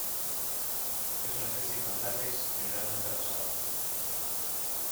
Es una especie con látex generalmente rosado.